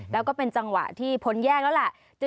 แล้วก็เป็นจังหวะที่พ้นแยกแล้วแหละ